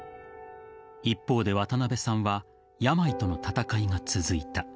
一方で渡辺さんは病との戦いが続いた。